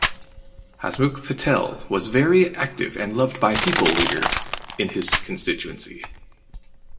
Hasmukh Patel was very active and loved by people leader in his constituency.